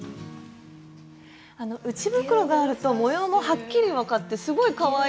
内袋があると模様もはっきり分かってすごいかわいいですよね。